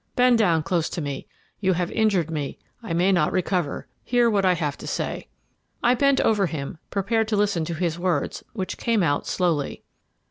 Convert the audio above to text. Bend down close to me you have injured me; I may not recover; hear what I have to say." I bent over him, prepared to listen to his words, which came out slowly.